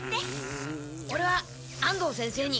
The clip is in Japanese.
オレは安藤先生に。